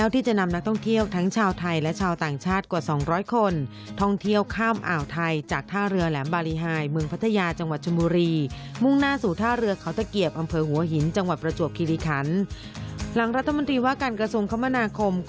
ทาง๑๑๖กิโลเมตรยังเป็นทางการ